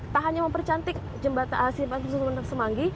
tak hanya mempercantik jembatan simpang tsunak semanggi